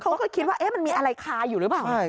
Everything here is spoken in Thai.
เขาก็คิดว่ามันมีอะไรคาอยู่หรือเปล่า